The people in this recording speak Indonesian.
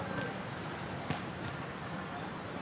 ya jadi untuk perubahan peraturan pengaturan menurut anda sudah boleh juga ya